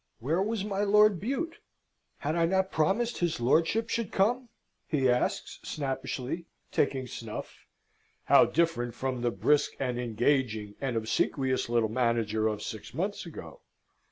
"Where was my Lord Bute? Had I not promised his lordship should come?" he asks, snappishly, taking snuff (how different from the brisk, and engaging, and obsequious little manager of six months ago!)